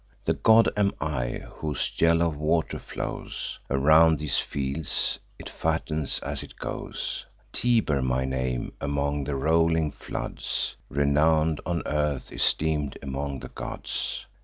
The god am I, whose yellow water flows Around these fields, and fattens as it goes: Tiber my name; among the rolling floods Renown'd on earth, esteem'd among the gods.